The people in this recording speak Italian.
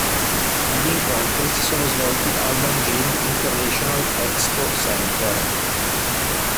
Gli incontri si sono svolti al Nanjing International Expo Center.